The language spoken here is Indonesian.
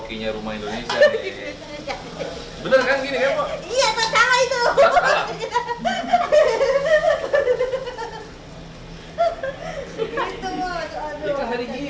iya ini aduk aduk anjir gitu ya